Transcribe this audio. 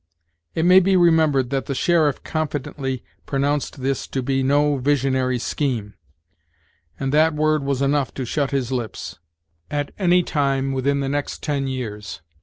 It may be remembered that the sheriff confidently pronounced this to be no "visionary" scheme, and that word was enough to shut his lips, at any time within the next ten years.